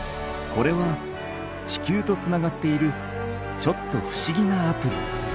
これは地球とつながっているちょっとふしぎなアプリ。